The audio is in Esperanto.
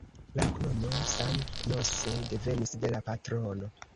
La loknomo San Jose devenis de la patrono.